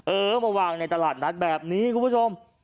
เออมาวางในตลาดนัดแบบนี้คุณผู้ชม